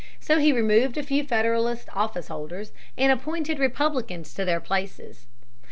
So he removed a few Federalist officeholders and appointed Republicans to their places.